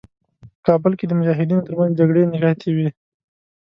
په کابل کې د مجاهدینو تر منځ جګړې نښتې وې.